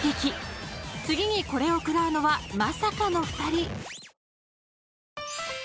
［次にこれを食らうのはまさかの２人］